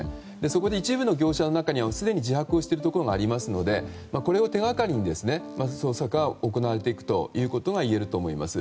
そこで一部の業者の中にはすでに自白しているところもありますのでこれを手掛かりに捜査が行われていくということがいえると思います。